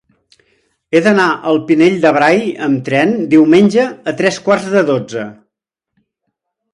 He d'anar al Pinell de Brai amb tren diumenge a tres quarts de dotze.